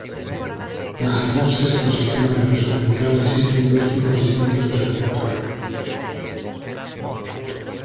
Nas sinapses do sistema nervioso central existen dous tipos distintos de receptor.